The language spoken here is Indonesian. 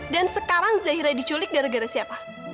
dan sekarang zahira diculik gara gara siapa